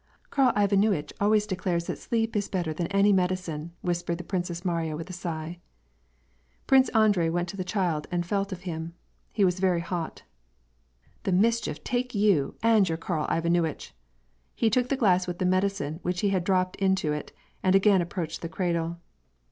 Karl Ivanuitch always declares that sleep is better than any medi erne" whispered the Princess Mariya with a sigh. Prince Andrei went to the child and felt of him. He was very hot. " The mischief take you and your Karl Ivanuitch !" He took the glass with the medicine which he had dropped into it and again approached the cradle.